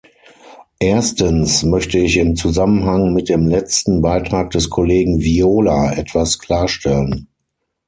Erstens möchte ich im Zusammenhang mit dem letzten Beitrag des Kollegen Viola etwas klarstellen.